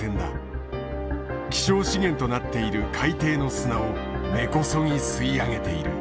希少資源となっている海底の砂を根こそぎ吸い上げている。